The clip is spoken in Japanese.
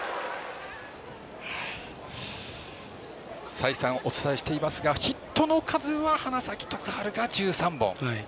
再三お伝えしていますがヒットの数は花咲徳栄が１３本。